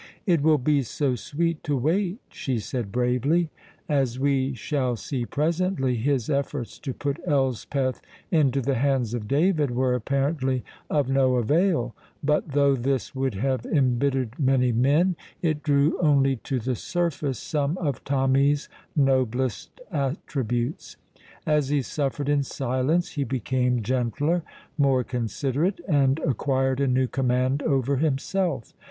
"It will be so sweet to wait," she said bravely. As we shall see presently, his efforts to put Elspeth into the hands of David were apparently of no avail, but though this would have embittered many men, it drew only to the surface some of Tommy's noblest attributes; as he suffered in silence he became gentler, more considerate, and acquired a new command over himself.